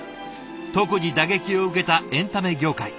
特に打撃を受けたエンタメ業界。